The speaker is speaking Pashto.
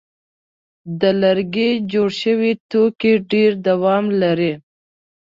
د لرګي جوړ شوي توکي ډېر دوام لري.